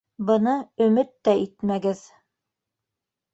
Быны өмөт тә итмәгеҙ!